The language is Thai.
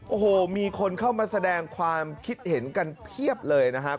โอ้โหมีคนเข้ามาแสดงความคิดเห็นกันเพียบเลยนะครับ